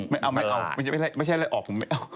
ไม่เอาไม่เอาไม่ใช่อะไรออกผมไม่เอา